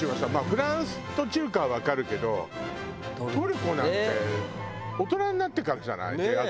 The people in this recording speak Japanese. フランスと中華はわかるけどトルコなんて大人になってからじゃない出会ったの。